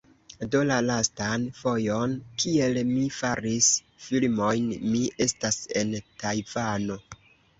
Do la lastan fojon, kiel mi faris filmojn, mi estas en Tajvano.